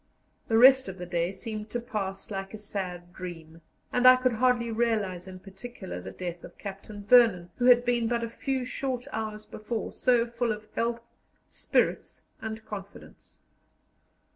The rest of the day seemed to pass like a sad dream, and I could hardly realize in particular the death of Captain Vernon, who had been but a few short hours before so full of health, spirits, and confidence.